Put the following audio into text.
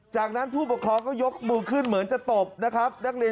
จากนั้นผู้ปกครองก็ยกมือขึ้นเหมือนจะตบนะครับนักเรียน